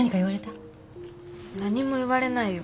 何も言われないよ。